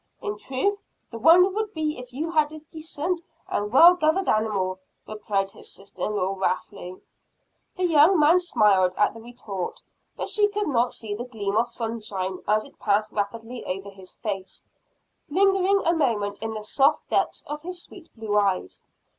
In truth, the wonder would be if you had a decent and well governed animal," replied his sister in law wrathfully. The young man smiled at the retort, but she could not see the gleam of sunshine as it passed rapidly over his face; lingering a moment in the soft depths of his sweet blue eyes.